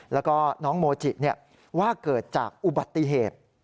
แล้วก็น้องโมจิว่าเกิดจากอุบัติเหตุ